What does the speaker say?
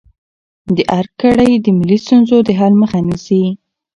د ارګ کړۍ د ملي ستونزو د حل مخه نیسي.